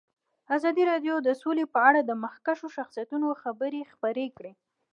ازادي راډیو د سوله په اړه د مخکښو شخصیتونو خبرې خپرې کړي.